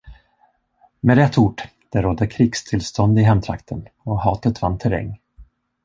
Med ett ord, det rådde krigstillstånd i hemtrakten och hatet vann terräng.